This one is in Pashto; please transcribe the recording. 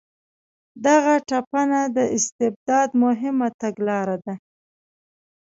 دغه تپنه د استبداد مهمه تګلاره ده.